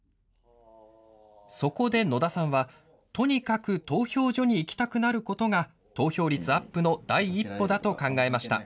そこで野田さんは、とにかく投票所に行きたくなることが投票率アップの第一歩だと考えました。